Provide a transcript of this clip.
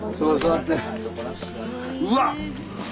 うわっ！